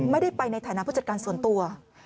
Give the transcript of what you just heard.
ไม่ได้ไปในฐานะผู้จัดการส่วนตัว